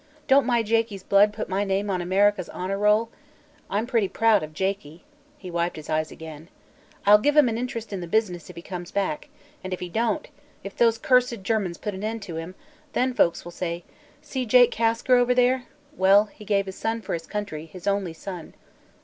Don't my Jakie's blood put my name on America's honor roll? I'm pretty proud of Jakie," he wiped his eyes again; "I'll give him an interest in the business, if he comes back. And if he don't if those cursed Germans put an end to him then folks will say, 'See Jake Kasker over there? Well, he gave his son for his country his only son.'